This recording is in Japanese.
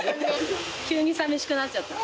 急にさみしくなっちゃった。